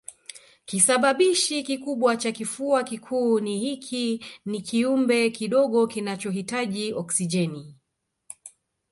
Kisababishi kikubwa cha kifua kikuu ni hiiki ni kiumbe kidogo kinachohitaji oksijeni